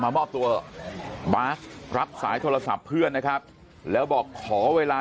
มอบตัวบาสรับสายโทรศัพท์เพื่อนนะครับแล้วบอกขอเวลา